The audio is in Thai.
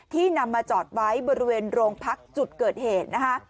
นำมาจอดไว้บริเวณโรงพักจุดเกิดเหตุนะคะ